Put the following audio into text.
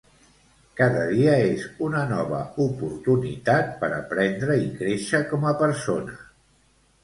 Cada dia és una nova oportunitat per aprendre i créixer com a persona.